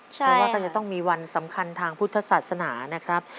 เพราะว่าก็จะต้องมีวันสำคัญทางพุทธศาสนานะครับ